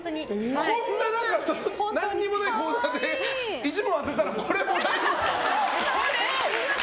こんな何にもないコーナーで１問当てたらこれ、もらえるんですか。